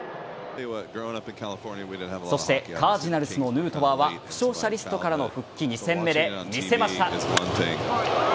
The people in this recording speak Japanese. そしてカージナルスのヌートバーは負傷者リストからの復帰２戦目で見せました。